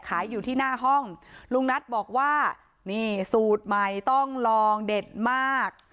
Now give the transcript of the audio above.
ขายอยู่ที่หน้าห้องลุงนัทบอกว่านี่สูตรใหม่ต้องลองเด็ดมาก